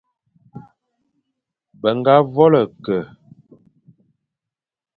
Be ñga vôl-e-ke,